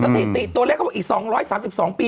สถิติตัวแรกก็ว่าอีก๒๓๒ปี